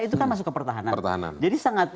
itu kan masuk ke pertahanan